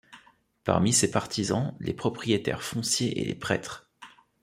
Parmi ses partisans les propriétaires fonciers et les prêtres.